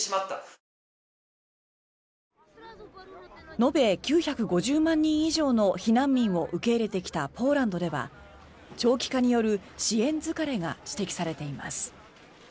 延べ９５０万人以上の避難民を受け入れてきたポーランドでは長期化による支援疲れが指摘されています。